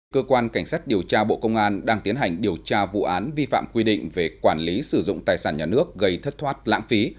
cơ quan cảnh sát điều tra bộ công an đang tiến hành điều tra vụ án vi phạm quy định về quản lý sử dụng tài sản nhà nước gây thất thoát lãng phí